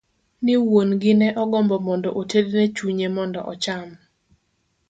Ni wuon gi ne ogombo mondo otedne chunye mondo ocham.